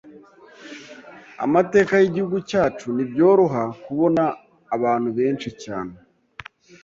amateka y’igihugu cyacu, ntibyoroha kubona abantu benshi cyane